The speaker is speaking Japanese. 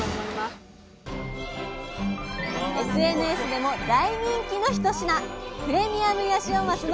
ＳＮＳでも大人気の一品！